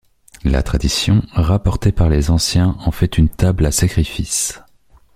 La tradition, rapportée par les anciens, en fait une table à sacrifices.